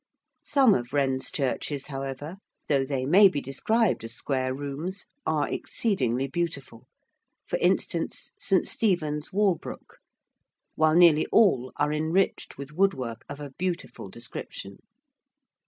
Some of Wren's churches, however, though they may be described as square rooms, are exceedingly beautiful, for instance, St. Stephen's, Walbrook, while nearly all are enriched with woodwork of a beautiful description.